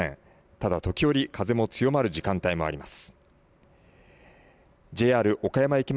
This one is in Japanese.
ただ、時折、風の強まる時間帯もあります。